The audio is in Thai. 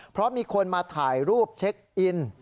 เพราะมีคนมาถ่ายรูปเช็คอิน